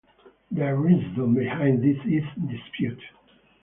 The reason behind this is disputed.